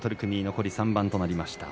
残り３番となりました。